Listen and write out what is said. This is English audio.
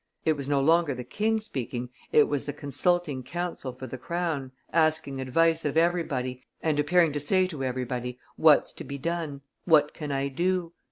It was no longer the king speaking, it was the consulting counsel for the crown, asking advice of everybody, and appearing to say to everybody: 'What's to be done? What can I do?